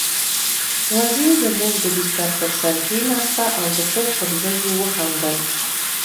وزې زموږ د بستر پر سر کېناسته او د خوب پر ځای يې وخندل.